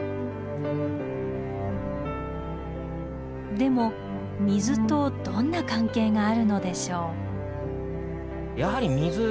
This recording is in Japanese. でも水とどんな関係があるのでしょう。